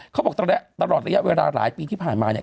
เขาบอกตลอดระยะเวลาหลายปีที่ผ่านมาเนี่ย